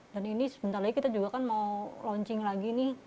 dan ini sebentar lagi kita juga kan mau launching lagi nih